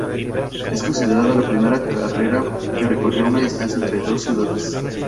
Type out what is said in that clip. Es considerada la primera carrera que recorrió una distancia entre dos ciudades.